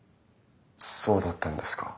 そうだったんですか。